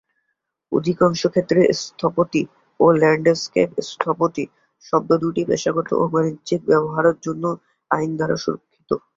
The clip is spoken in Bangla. অধিকাংশ ক্ষেত্রে "স্থপতি" ও "ল্যান্ডস্কেপ স্থপতি" শব্দ দুইটি পেশাগত ও বাণিজ্যিক ব্যবহারের জন্য আইন দ্বারা সুরক্ষিত।